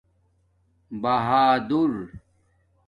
بہادور